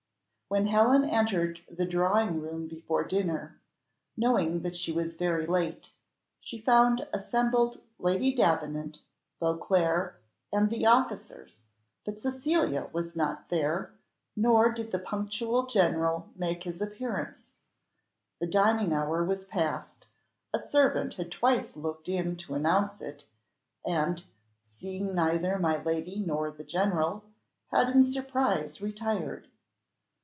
When Helen entered the drawing room before dinner, knowing that she was very late, she found assembled Lady Davenant, Beauclerc, and the officers, but Cecilia was not there, nor did the punctual general make his appearance; the dinner hour was passed, a servant had twice looked in to announce it, and, seeing neither my lady nor the general, had in surprise retired.